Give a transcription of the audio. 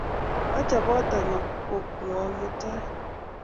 Achopot anyo kong'wong' mutai